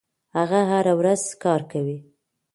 هغه هره ورځ کار کوي.